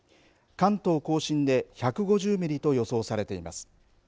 関東甲信で１５０ミリと予想されています。